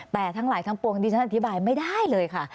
แต่ทั้งหลายทั้งปวงดิฉันอธิบายไม่ได้เลยค่ะ